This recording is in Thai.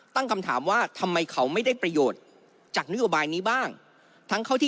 ตั้งคำถามว่าทำไมเขาไม่ได้ประโยชน์จากนโยบายนี้บ้างทั้งเข้าที่